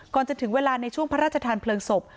ก่อนจะถึงเวลาในช่วงพระราชทานเพลิงศพ